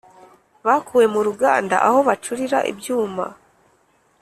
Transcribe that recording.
bakuwe mu ruganda aho bacurira ibyuma